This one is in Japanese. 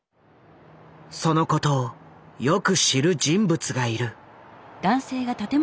そのことをよく知る人物がいる。